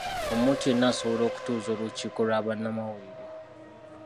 Omuntu yenna asobola okutuuza olukiiko lwa bannamawulire.